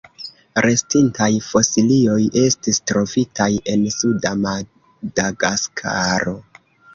Restintaj fosilioj estis trovitaj en suda Madagaskaro.